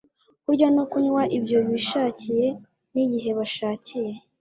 kurya no kunywa ibyo bishakiye nigihe bashakiye